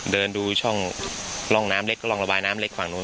เดินดูช่องร่องน้ำเล็กร่องระบายน้ำเล็กฝั่งนู้น